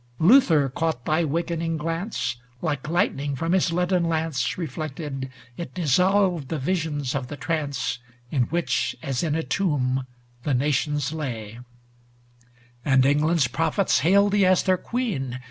Luther caught thy wakening glance; Like lightning, from his leaden lance Reflected, it dissolved the visions of the trance In which, as in a tomb, the nations lay; And England's prophets hailed thee as their queen.